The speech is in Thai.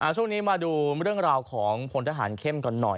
ช่วงนี้มาดูเรื่องราวของพลทหารเข้มกันหน่อย